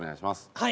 はい。